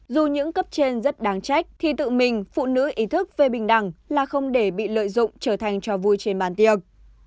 dù những cấp trên rất đáng trách thì tự mình phụ nữ ý thức về bình đẳng là không để bị lợi dụng trở thành trò vui trên bàn tiệc